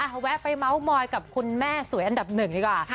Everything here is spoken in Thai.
เขาแวะไปเมาส์มอยกับคุณแม่สวยอันดับหนึ่งดีกว่า